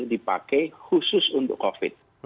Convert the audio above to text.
ini dipakai khusus untuk covid sembilan belas